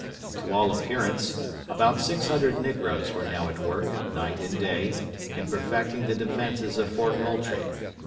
To all appearance, about six hundred negroes were now at work, night and day, in perfecting the defenses of Fort Moultrie.